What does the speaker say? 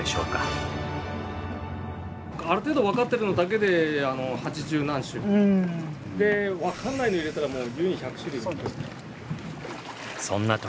ある程度分かってるのだけで八十何種。で分かんないの入れたらもう優にそんな時。